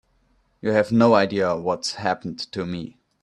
You have no idea what's happened to me.